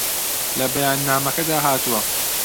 لە بەیاننامەکەدا هاتووە